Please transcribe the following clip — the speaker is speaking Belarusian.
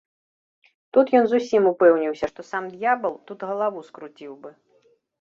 Тут ён зусім упэўніўся, што сам д'ябал тут галаву скруціў бы.